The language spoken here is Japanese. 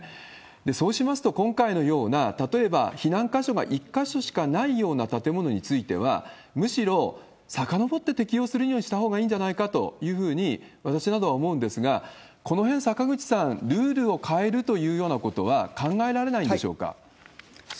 そうしますと、今回のような、例えば避難箇所が１か所しかないような建物については、むしろさかのぼって適用するようにしたほうがいいんじゃないかというふうに私などは思うんですが、このへん、坂口さん、ルールを変えるというようなことは考えられないんでしょうか？